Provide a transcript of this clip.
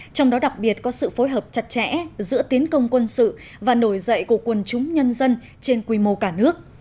trong đó đặc biệt có sự phối hợp chặt chẽ giữa tiến công quân sự và nổi dậy của quân chúng nhân dân trên quy mô cả nước